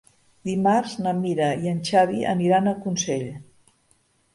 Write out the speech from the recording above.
Dimarts na Mira i en Xavi aniran a Consell.